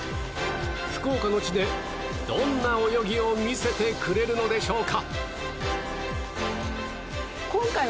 福岡の地で、どんな泳ぎを見せてくれるのでしょうか？